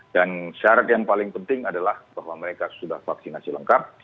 dan syarat yang paling penting adalah bahwa mereka sudah vaksinasi lengkap